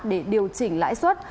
để điều chỉnh lãi suất